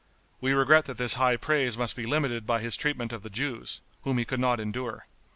We regret that this high praise must be limited by his treatment of the Jews, whom he could not endure.